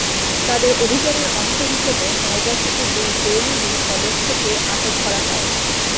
তাদের অভিযানের অংশ হিসেবে নওগাঁ থেকে দুই জেএমবি সদস্যকে আটক করা হয়।